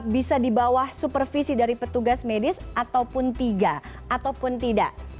bisa di bawah supervisi dari petugas medis ataupun tiga ataupun tidak